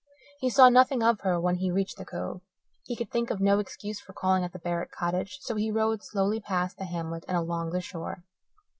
He saw nothing of her when he reached the Cove. He could think of no excuse for calling at the Barrett cottage, so he rode slowly past the hamlet and along the shore.